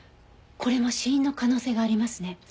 これも死因の可能性がありますね。